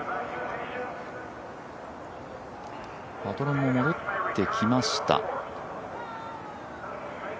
パトロンも戻ってきました。